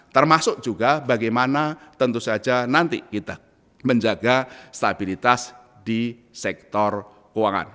termasuk juga bagaimana tentu saja nanti kita menjaga stabilitas di sektor keuangan